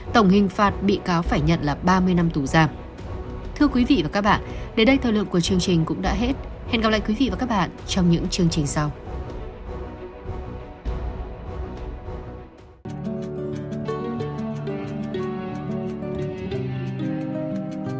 tổng hình phạt bị cáo phải nhận là ba mươi năm tù giam